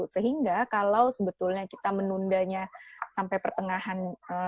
sehingga kalau sebetulnya kita menundanya sampai pertengahan dua ribu dua puluh satu